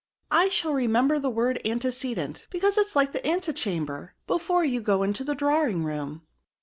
I shall remember the word antecedent, because it is like the anti chamber, before you go into the drawing room."